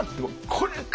「これか！」。